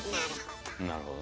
なるほど。